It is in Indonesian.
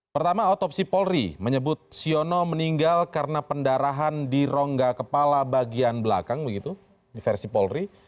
pertama otopsi polri menyebut siono meninggal karena pendarahan di rongga kepala bagian belakang begitu di versi polri